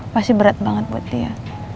pasti berat banget buat dia